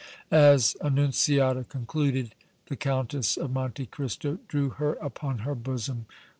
As Annunziata concluded, the Countess of Monte Cristo drew her upon her bosom.